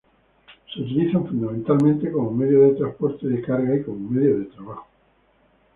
Se utilizan fundamentalmente como medio de transporte de carga y como medio de trabajo.